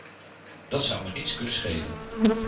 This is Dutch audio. Dat zou me niets kunnen schelen.